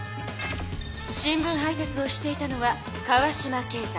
新聞配達をしていたのは川島圭太。